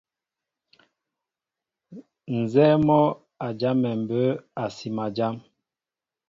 Nzɛ́ɛ́ mɔ́ a jámɛ mbə̌ a sima jám.